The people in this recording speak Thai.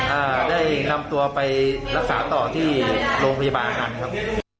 อ่าได้นำตัวไปรักษาต่อที่โรงพยาบาลอันครับ